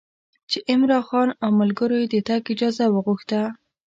چې عمرا خان او ملګرو یې د تګ اجازه وغوښته.